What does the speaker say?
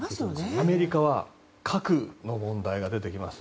アメリカは核の問題が出てきます。